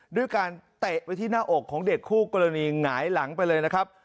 ด้วยการเตะไปที่หน้าอกของเด็กคู่กรณีหงายหลังไปเลยนะครับ